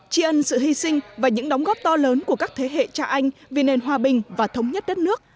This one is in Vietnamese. tri ân sự hy sinh và những đóng góp to lớn của các thế hệ cha anh vì nền hòa bình và thống nhất đất nước